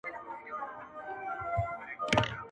ډاکټره خاص ده ګنې وه ازله ,